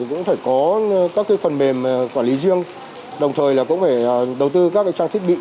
cũng phải có các phần mềm quản lý riêng đồng thời là cũng phải đầu tư các trang thiết bị